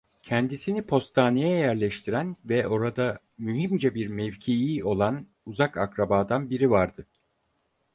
Kendisini postaneye yerleştiren ve orada mühimce bir mevkii olan uzak akrabadan biri vardı: